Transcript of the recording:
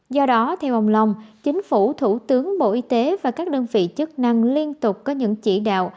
do đó theo ông long chính phủ thủ tướng bộ y tế và các đơn vị chức năng liên tục có những chỉ đạo